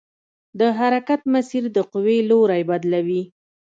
د حرکت مسیر د قوې لوری بدلوي.